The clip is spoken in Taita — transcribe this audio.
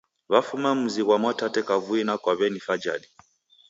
Wafuma mzi ghwa Mwatate kavui na kwa w'eni Fajali.